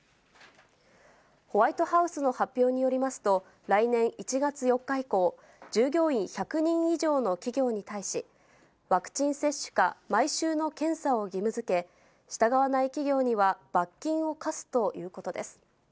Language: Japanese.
ホワイトハウスの発表によりますと、来年１月４日以降、従業員１００人以上の企業に対し、ワクチン接種か、毎週の検査を義務づけ、従わない企業には罰金を科すということです。